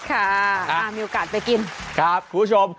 มีโอกาสไปกินครับคุณผู้ชม